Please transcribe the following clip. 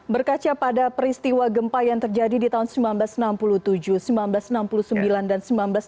berkaca pada peristiwa gempa yang terjadi di tahun seribu sembilan ratus enam puluh tujuh seribu sembilan ratus enam puluh sembilan dan seribu sembilan ratus sembilan puluh